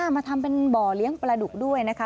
มาทำเป็นบ่อเลี้ยงปลาดุกด้วยนะคะ